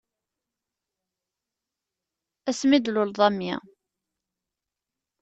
Ass mi d-tlukeḍ a mmi.